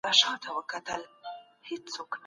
پخوا د کتابونو تنوع تر نن کمزورې وه.